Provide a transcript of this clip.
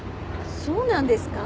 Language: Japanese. そうなんですか？